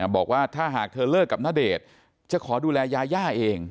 บอกว่าถ้าหากเธอเลิกกับณเดชน์จะขอดูแลยาย่าเอง